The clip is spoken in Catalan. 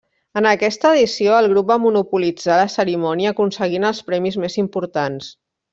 En aquesta edició, el grup va monopolitzar la cerimònia aconseguint els premis més importants.